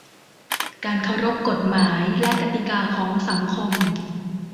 การเคารพกฎหมายและกติกาของสังคม